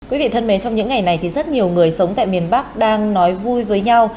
quý vị thân mến trong những ngày này thì rất nhiều người sống tại miền bắc đang nói vui với nhau